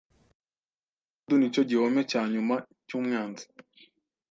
Uwo mudugudu nicyo gihome cyanyuma cyumwanzi.